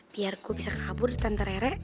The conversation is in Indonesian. biar gue bisa kabur di tante rere